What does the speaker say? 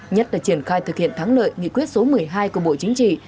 nhất là triển khai thực hiện thắng lợi nghị quyết số một mươi hai của bộ chính trị